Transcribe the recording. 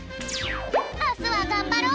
あすはがんばろう！